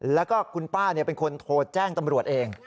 แล้วก็คุณป้าเป็นคนโทรแจ้งตำรวจเอง